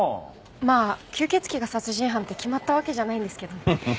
まあ吸血鬼が殺人犯って決まったわけじゃないんですけどね。